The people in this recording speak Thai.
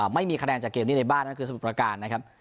ไม่มีคะแนนจากเกมนี้ในบ้านนั่นคือสมุทรประการนะครับ